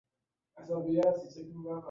halafu anakataa kuwatii wao anawakai